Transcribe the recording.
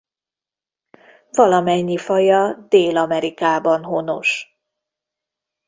Valamennyi faja Dél-Amerikában honos.